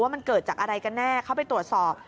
มันเกิดจากอะไรกันแน่เขาไปตรวจสอบ